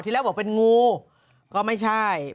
แรกบอกเป็นงูก็ไม่ใช่